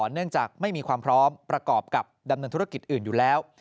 เนื่องจากไม่มีความพร้อมประกอบกับดำเนินธุรกิจอื่นอยู่แล้ว